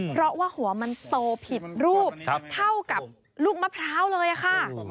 เพราะว่าหัวมันโตผิดรูปเท่ากับลูกมะพร้าวเลยค่ะ